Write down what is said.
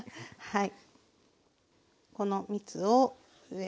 はい。